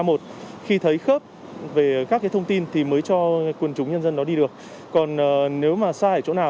một khi thấy khớp về các cái thông tin thì mới cho quần chúng nhân dân đó đi được còn nếu mà xa